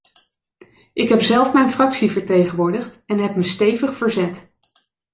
Ik heb zelf mijn fractie vertegenwoordigd en heb me stevig verzet.